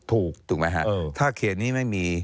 ถูกถูกไหมฮะถ้าเขตนี้ไม่มี